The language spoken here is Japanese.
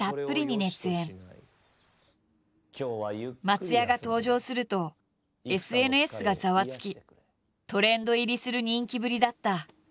松也が登場するとＳＮＳがざわつきトレンド入りする人気ぶりだった。